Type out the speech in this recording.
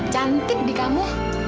cantik di kamu